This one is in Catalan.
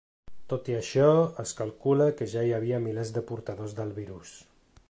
Tot i això es calcula que ja hi havia milers de portadors del virus.